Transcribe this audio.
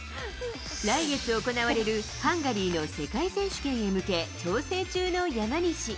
来月行われるハンガリーの世界選手権へ向け、調整中の山西。